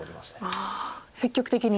ああ積極的に。